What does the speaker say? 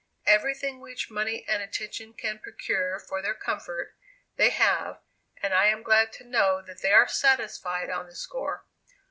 Everything which money and attention can procure for their comfort, they have, and I am glad to know that they are satisfied on this score.